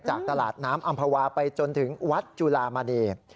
จากตลาดน้ำอำภาวาไปจนถึงวัดจุลามณี